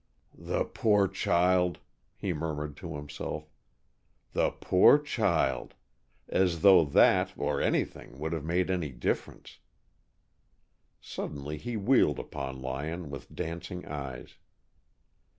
"The poor child," he murmured to himself. "The poor child! As though that or anything would have made any difference!" Suddenly he wheeled upon Lyon, with dancing eyes.